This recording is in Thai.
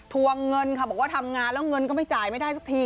วงเงินค่ะบอกว่าทำงานแล้วเงินก็ไม่จ่ายไม่ได้สักที